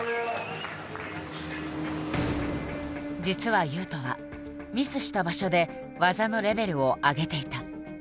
実は雄斗はミスした場所で技のレベルを上げていた。